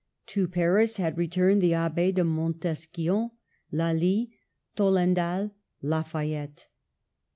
To Paris had returned the Abb6 de Montesquion, Lally, Tollendal, Lafayette.